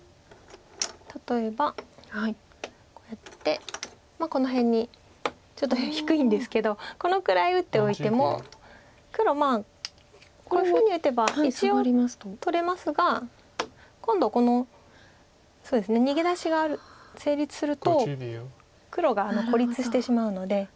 例えばこうやってこの辺にちょっと低いんですけどこのくらい打っておいても黒こういうふうに打てば一応取れますが今度この逃げ出しが成立すると黒が孤立してしまうので。